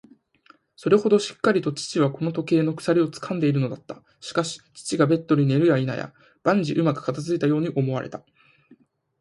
それほどしっかりと父はこの時計の鎖をつかんでいるのだった。しかし、父がベッドに寝るやいなや、万事うまく片づいたように思われた。